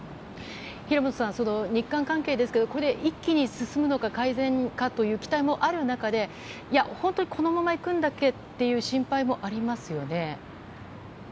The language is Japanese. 平本さん、日韓関係ですけど一気に進むのか改善かという期待もある中で本当にこのままいくんだっけという心配もありますよね。